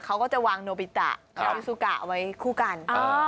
เขาก็จะวางโนบิตะชิสุกะไว้คู่กัน